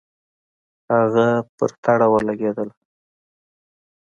هغه په تړه ولګېدله.